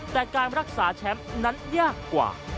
แต่การรักษาแชมป์นั้นยากกว่า